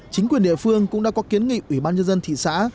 chính quyền địa phương cũng đã có kiến nghị ủy ban nhân dân thị xã